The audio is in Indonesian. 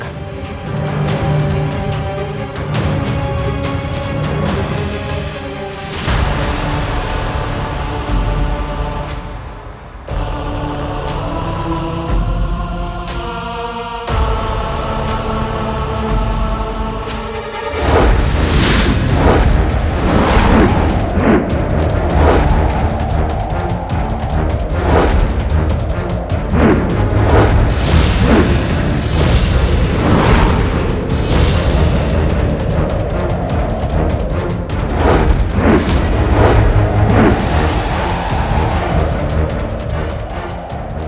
kau akan kembali ke dunia